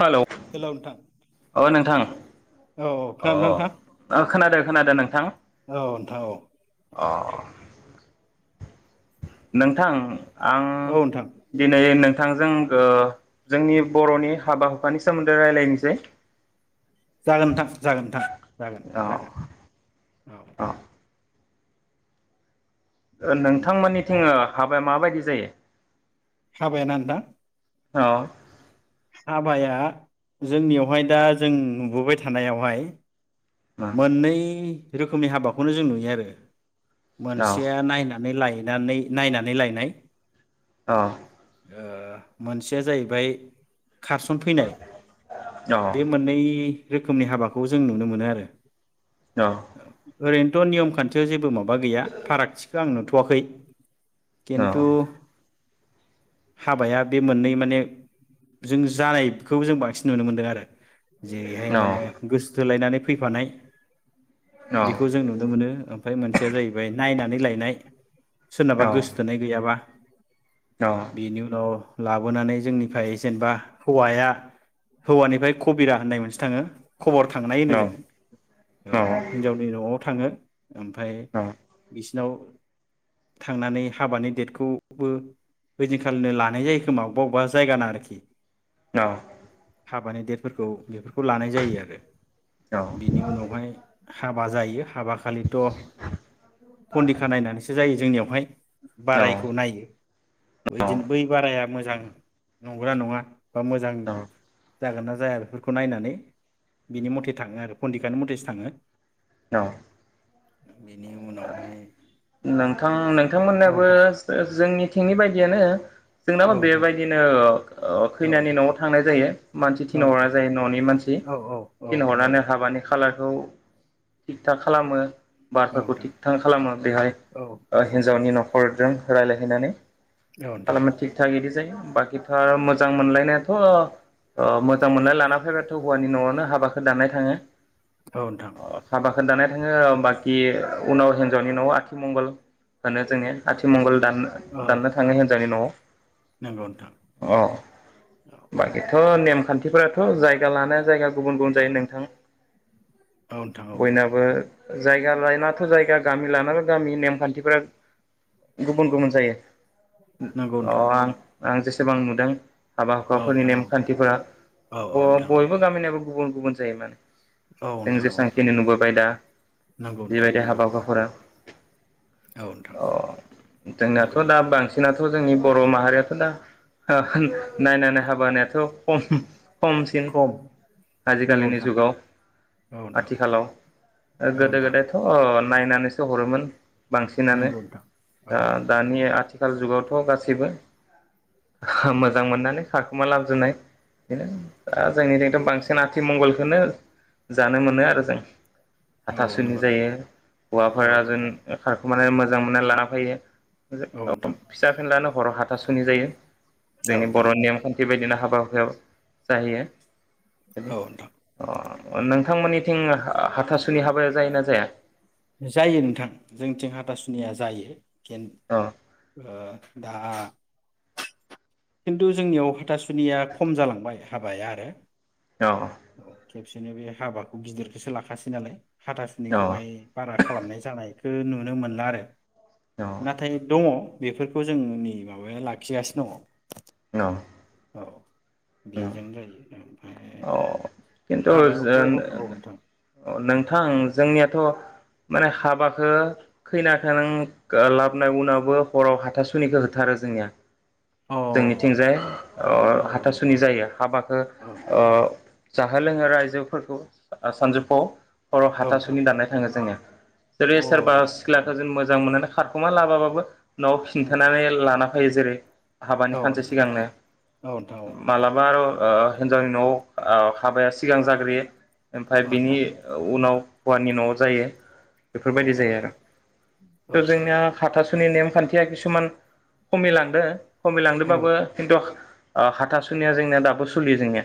Hello hello नोंथां ओ नोंथां औ खोनादोंना अ' खोनादों, खोनादों नोंथां। औ नोंथां औ। अ नोंथां आं औ नोंथां दिनै नों थांजों ओ जोंनि बर'नि हाबा हुखानि सोमोन्दै रायलायनोसै। जागोन नोंथां जागोन नोंथां जागोन औ जागोन औ। ओ ओ औ नोंथांमोननिथिङो हाबाया माबायदि जायो? हाबाया ना नोंथां? [inaudible] हाबाया जोंनियावहाय दा जों नुबोबाय थानायावहाय औ मोननै रोखोमनि हाबाखौनो जों नुयो आरो औ मोनसेया नायनानै लाय नानै नायनानै लायनाय अ ओ मोनसेया जाहैबाय खारसनफैनाय। औ बे मोननै रोखोमनि हाबाखौ जों नुनो मोनो आरो औ औ ओरैनोथ' नियम खान्थियाव जेबो मा बा गैया फारागथि आं नुथ'वाखै। औ किन्तु हाबाया बे मोननै माने जों जानायखौ जों बांसिन नुनो मोनदों आरो जेरैहाय माने गोसो थोलायनानै फैफानाय बेखौ जों नुनो मोनो। ओमफाय मोनसेया जाहैबाय नायना नै लायनाय सोरनाबा गोसोथोनाय गैयाबा बेनि उनाव लाबोनानै जोंनिफ्राय जेनेबा हौवाया हौवानिफ्राय खबिरा होननाय मोनसे थाङो। खबर थांनाय होनो जों। औ हिन्जावनि न'आव थाङो ओमफाय बिसि [unintelligible] थांनानै हाबानि देटखौबो ओइदिनखालिनो लानाय जायो खोमा अबावबा अबावबा जायगा ना आरोखि। न। हाबानि देटफोरखौ बेफोर खौ लानाय जायो आरो बिनि उनाव हाबा जायो। हाबा खालिथ फन्दिखा नायनानैसो जायो जोंनियाव। बहाय बारायखौ नायो बिदिन बै बाराया मोजां नंगोना नङा। बा मोजां औ जागोन ना जाया बेफोरखौ नायनानै। बिनि मथे थाङो आरो। फन्दिखानि मथे थाङो। अ बिनि उनावहाय नोंथां औ नोंथांमोननाबो नोंथां जोंनि थिंनि बायदियानो औ जोंनाबो नोंथां बेबायदिनो ओ औ खैनानि नोंथां नआव थांनाय जायो मानसि औ थिनहरनाय नोंथां जायो ननि मानसि औ औ औ नोंथां औ थिनहरनानै हाबानि खालारखौ थिग थाक खालामो। बारफोर खौ नोंथां थिग थाग खालामो बेहाय औ औ नोंथां हिन्जावनि नखरजों। रायलाय हैनानै। औ नोंथां खालामना थिक थाक इदि जायो। बाखिथ आरो मोजां मोनलायनायाथ मोजां मोननाय लाना फैबाथ हौवानि नआवनो हाबाखौ दाननाय थाङो। औ नोंथां। खो दानना थाङो बाखि। उनाव हिनजावनि नआव आथिमंगल होनो जोंनिया आथिमंगल। दाननो औ दाननो थाङो हिनजावनि नआव। नंगौ नोंथां अ औ बाखिथ नेमखान्थि फोराथ जायगा लानाया जायगा गुबुन गुबुन जायो नोंथां नोंथां औ बयनाबो जायगा लायना जायगा गामि लाना गामिनि नेमखान्थिफोरा गुबुन गुबुन जायो। नंगौ अ नोंथां आं आं जेसे एबां नुदों हाबा औ हुखाफोरनि नोंथां औ नेमखान्थिफोरा औ औ नोंथां ब-बयबो गामिनियाबो गुबुन गुबुन जायो माने औ जों नोंथां औ जेसांखिनि नुबोबाय दा नंगौ नोंथां जिबायदि नंगौ हाबा दा औ नोंथां अ जोंनाथ' नंगौ दा बांसिन जोंनाथ' जोंनि बर' माहारियाथ' दा ओ नायनानै हाबाहोनायाथ' खम खमसिन खम नंगौ आजिखालिनि नोंथां जुगाव औ नोंथां आथिखालाव औ गोदो नोंथां गोदायथ' नायनानैसो हरोमोन बांसिनानो नंगौ नोंथां औ दा दानिया आथिखाल जुगावथ' गासैबो मोजां मोननानै खारखुमा लांजोबनाय बेनो दा जोंनिजोंथ' बांसिन आथिमंगल बेखौनो जानो मोनो आरो जों औ हाथासुनि नंगौ जायो नोंथां औ हौवाफोरा जेन नोंथां खार माने मोजां मोननानै लाना फैयो औ फिसा फेनलानो हर हाथ हाथासुनि जायो औ जोंनि बर' नोंथां नेमखान्थि बायदिना हाबायाव हुखायाव जाहैयो औ नोंथां अ अ नों नोंथमोननिथिं हाथासुनि हाबाया जायो ना जाया? जायो नोंथां जोंथिं हाथासुनिया जायो औ [inaudible] ओ दा खिन्थु जोंनियाव हाथासु सुनिया खम जालांबाय हाबाया आरो औ खेबसेनो बे हाबाखौ गिदिरखौसो लाखासै नालाय औ हाथासुनिखौहाय बारा खालामनाय जानायखौ नुनो मोनला आरो औ नाथाय दङ बेफोरखौ जोंनि माबाया लाखिगासिनो दङ [unintelligible] औ ओं बेजों जायो ओमफ्राय अ किन्तु हाबायावथ' जोन औ नोंथां अ नोंथां जोंनियाथ माने हाबाखो खैनाखो नों लाबोनाय उनावबो हराव हाथासुनिखो होथारो जोंनिया अ जोंनिथिंजाय औ औ हाथ सुनि जायो हाबाखो औ ओ जाहो लोंहो रायजोफोरखौ ओ सानजौफुआव हराव नोंथां हाथासुनि दाननाय थाङो जोंनिया जेरै औ सोरबा नोंथां सिख्लाखो जों मोजां मोनोना खारखुमा लाबाबाबो नआव खिन्थानानै लाना ओइ जेरै हाबानि औ खानसे नोंथां सिगांनो उम औ नोंथां औ नोंथां औ नोंथां औ नोंथां औ नोंथां औ मालाबा र ओ हिन्जावनि नआव ओ हाबाया सिगां जाग्रोयो ओमफाय औ बिनि नोंथां औ ओउनाव हौवानि नआव जायो बेफोरबायदि जायो आरो त जोंनिया हाथासुनि नि नेमखान्थिया किसुमान कमिलांदो कमिलांदोबाबो किन्तु ओ हा हाथा सुनिया जोंनिया दाबो सलियो जोंनिया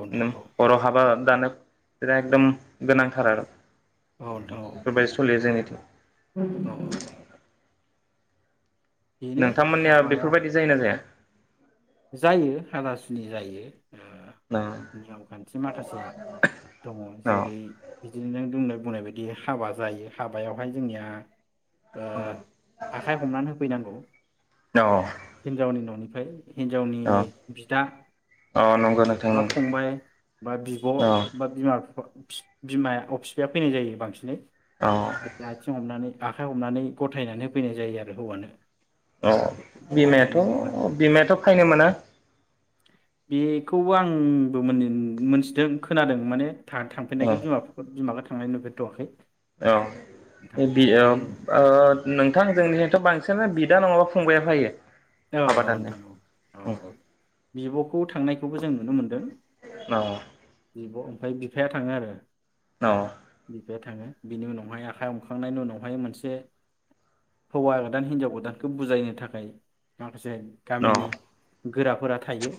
औ नोम हराव हाबा होन दानो बिराद एकदम गोनांथार आरो औ बेफोरबायदि सोलियो नोंथां जोंनिथिं औ औ औ नोंथांमोननिया हाबाया बेफोरबायदि जायोना औ जाया जायो हाथासुनि जायो ओ औ नियम खान्थि माखासे दङ जेरै बिद बिदिनो नों [unintelligible] बुंनाय बायदि हाबा जायो हाबायावहाय जोंनिया ओ आखाइ हमना होफैनांगौ औ हिनजावनि ननि है हिनजावनि औ बिदा औ नंगौ नोंथां बा नंगौ फंबाय बा बिब औ बा बिमा फिफा फिफ बिमाया अ फिफाया फैनाय जायो बांसिनै औ बे आथिं हमनानै आखाइ हमनानै गथायनानै होफैनाय जायो आरो हौवानो ओ बिनि बिमायाथ' बिमायाथ' फायनो मोना बेखौ आंबो मोनिन मोनथिदों खोनादों माने था औ थांफैनायखौ बिमा बिफ बिमा थांनाय नुफेर थ'वाखै औ बियो ओ नोंथां जोंनिथ' बांसिन सोरनो बिदा नङाबा फंबाया फैयो। औ औ नोंथां औ औ बिब'खौ थांनाय खौबो जों नुनो मोन्दों। अह बिब' ओमफाय बिफाया थाङो आरो अह बे थाङो बिनि उनावहाय आखाइ हमखांनायनि उनावहाय मोनसे हौवा गोदान हिनजाव गोदानखौ बुजायनो थाखाय माखासे गामिनि गोराफोरा थायो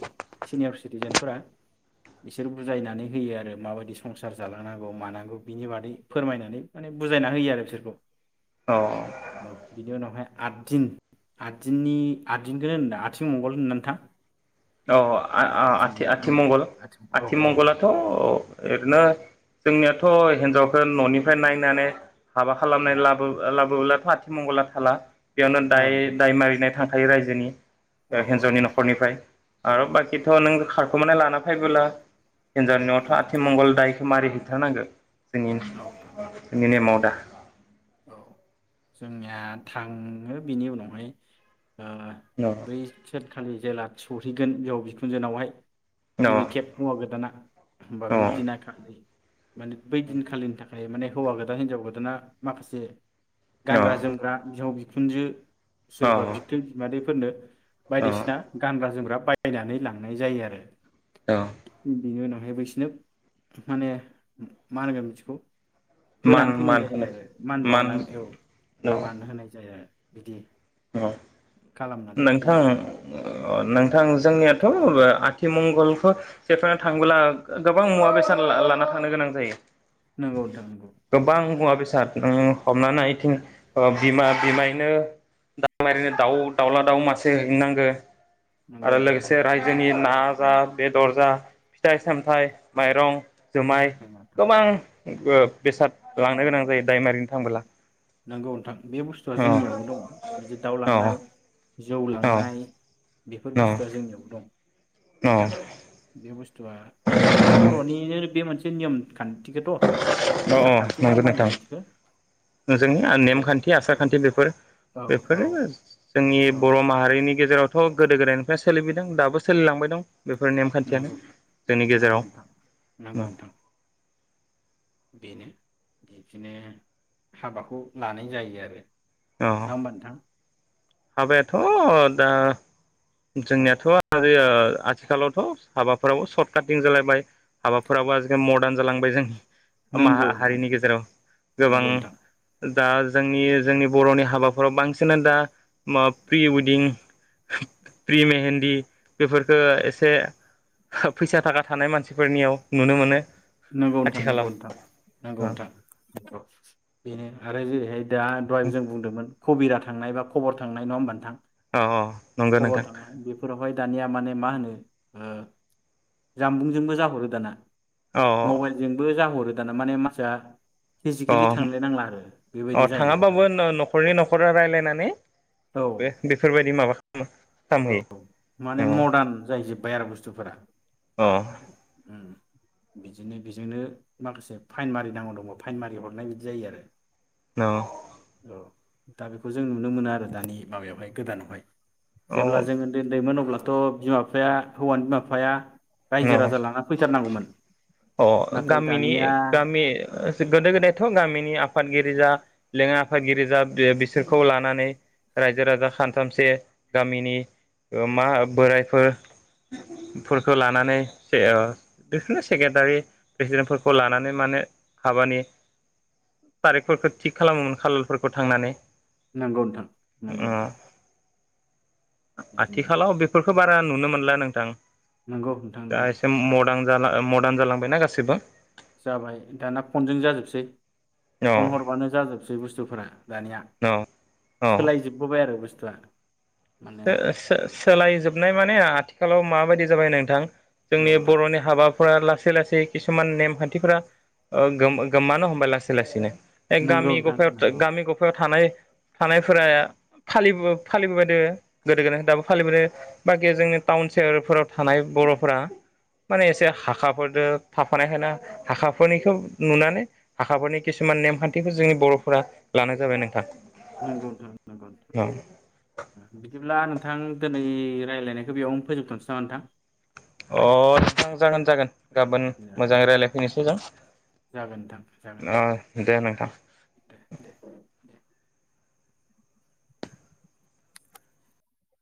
सिनियावस सिटिजेनफोरा बिसोर बुजायनानै होयो आरो माबायदि संसार जालांनांगौ मानांगौ बिनि बादै फोरमायनानै माने बुजायना होयो आरो बिसोरखौ औ बिनि उनावहाय आददिन आद दिननि आददिनखौनो होनोदा आथिं मंगल होनो ना नोंथां औ आथि आथिमंगल आथिं औ औ आथिमंगलाथ' औ ओरैनो जोंनियाथ' हिनजावखौ न'निफ्राय नायनानै हाबा खालामनाय लाबो लाबोला आथि मंगला थाला बेयावनो औ दाय नोंथां दाय मारिनाय थांख खायो रायजोनि औ ओ औ हिन्जावनि नोंथां न'खरनिफ्राय औ आरो बाखिथ' नों खारखुनानै लाना फैबोला हिन्जावनि नआवथ' नोंथां आथिमंगल दायक मारै हैथारनांगोन औ नोंथां। [unintelligible] [unintelligible] औ जोंनिया थाङो बेनि उनावहाय औ बेै खालि जेला थिहैगोन बिहाव बिखुनजोनावहाय गिबि खेब हौवा गोदाना होबा औ बे दिना खालि माने बै दिनखालिनि थाखाय माने हौवागोदान हिनजावगोदा माखासे गानग्रा जोमग्रा बिहाव बि खुनजो औ सोरबा बिबथै बिमादै फोरनो औ औ बायदिसिना गानग्रा जोमग्रा बायनानै लांनाय जायो आरो। औ। बिनि उनावहायबोसोरनो माने मा होनगोन मिथिखौ मान-मान होनाय मान बावनानै औ मान होनाय जाया बिदि औ। खालामनानै नोंथां फैयो आरो उम नोंथां जोंनिया नोंथां आथिमं मंगलखौ सेफांनानै थाङोबोला गोबां मुवा बेसाद लाना थानो गोनां जायो। नांगौ नोंथां स हमनानै ओ बिमा बिमायनो दाउ ओरैनो दाउ दाउला दाउ मासे हैनांगो नंगौ आरो नोंथां लोगोसे रायजोनि ना जा बेदर जा फिथाइ सामथाइ माइरं जुमाय नंगौ नोंथां गोबां बेसाद लांनो गोनां जायो दायमारिनो थांबोला नंगौ नोंथां बे बुस्थुआ औ जोंनियावबो दङ। बिदि औ दाउलांनाय जौ औ लांनाय बेफोर अ बुस्थुआ जोंनियाव दं। नोंथां अ बे बस्थु थुआ माने बर'निनो बे मोनसे नेम खा न्थिथ' आसार अ खान्थिनि नंगौ मा होनगोन नोंथां बिदिखौ? जोंनि बे नेमखान्थि आसार खान्थि बेफोर औ औ बेफोरो जोंनि औ बर' माहारिनि गेजेरावथ' औ गोदो गोदायनिफ्राय सोलिबोदों दाबो सोलिलांबाय दं। बेफोर नेमखान्थियानो नंगौ जोंनि नंगौ गेजेराव नोंथां नंगौ मा नोंथां बेनो बिदिनो हाबाखौ लानाय जायो आरो अ नंआ होमबा नोंथां? हाबायाथ' दा जोंनियाथ' ओ आथिखालावथ' हाबाफोराबो सर्ट काटिं जालायबाय हाबाफोराबो आजिखालि मदार्न जालांबाय जोंनि मा नंगौ नोंथां हारिनि गेजेराव गोबां नंगौ नोंथां दा जोंनि जोंनि बर'नि हाबाफोराव बांसिनानो दा मा प्रि वेडिं प्रि मेहेन्दी बेफोरफोरखो एसे फैसा थाखा थानाय मानसिफोरनियाव नुनो मोनो। नंगौ नोंथां नोंगौ आथिखालाव नोंथां अ नंगौ नोंथां नंगौ बेनो आरो जेरै दा दहाय जों बुंदोंमोन कबिरा। थांनाय बा खबर थांनाय नङा होनबा नोथां? अ नंगौ नोंथां। निया माने मा होनो ओ जामबुंजोंबो जाहरो दाना। अ मबाइलजोंबो जाहरो। दाना माने मानसिया अ फिजिकेलि थांलाय नांला आरो अ बेबायदि जाहैबाय दाना थाङाबाबो न'खरनि न'खरा रायलायनानै औ बे बेफोरबायदि माबा औ माने खालामहैयो मदार्न जाहैजोब्बाय आरो बुस्थुफोरा अ अ उम बिदिनो बेजोंनो माखासे फाइन मारिनांगौ दङ फाइन मारि हरनाय बिदि जायो आरो। हेलौ औ दा बेखौ जों नुनो मोनो आरो दानि माबायावहाय गोदानावहाय। अ जेब्ला जोङो ओन्दै ओन्दैमोन अब्ला थ' बिमा बिफाया हौवानि बिमा बिफाया अ रायजो राजा लाना फैथारनांगौमोन। अ नाथाय गामिनि दानिया गामि गोदो गोदायथ' गामिनि आफादगिरि जा लेङाइ आफादगिरि जा बिसोरखौ लानानै रायजो राजा खानथामसे गामिनि ओ मा बोरायफोर फोरखौ लानानै सेक्रेटारि प्रेसिडेन्टफोरखौ लानानै मानो हाबानि तारिखफोरखो थिग खालामोमोन खालारफोरखौ थांनानै नंगौ नोंथां नंगौ नोंथां। आ बिदिनो आथिखालाव बेफोर खो बारा नुनो मोनला नोंथां। नंगौ नोंथां दा नंगौ। एसे मदार्न जाला ओ मदार्न जालांबायना गासिबो जाबाय दाना फनजों जाजोबसै। औ फन हरबानो जाजोबसै बुस्थुफोरा दानिया औ सोलाय जोबबोबाय आरो बुस ब्ला सो-सो सोलायजोबनाय माने आ आथिखालाव माबायदि जाबाय नोंथां औ जोंनि नोंथां बर'नि हाबाब फुरा लासै लासै किसुमान नेमखान्थिफोरा ओ गोम- गोमानो हमबाय लासै लासैनो। एग नंगौ गामि नोंथां गफायाव नंगौ गामि गफा थानाय थानायफोरा फालिबो फालिबोबाय दोङो गोदो गोदाय दाबो फालिबोदों बाखि जोंनि टाउन सेहोरफोराव थानाय बर'फोरा माने एसे हाखाफोरदो थाफानायखाय नो हाखाफोरनिखौ नुनानै हाखाफोरनि खिसुमान नेमखान्थिखौ जोंनि बर'फोरा लानाय जाबाय नोंथां। नंगौ नोंथां नंगौ औ नोंथां बिदिब्ला नोंथ थां दोनै रायलायनायखो बेयावनो फोजोबथ'नोसै नामा नोंथां? अ नोंथां जागोन‌ जागोन। गाबोन नोंथां? मोजाङै रायलायफैनोस मोजां जागोन नोंथां जागोन नोंथां दे दे दे